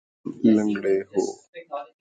تم لنگڑے ہو